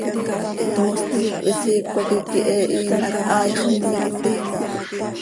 Moosni quih cöhisiicö hac iiqui he ihiin hac haai xommipi.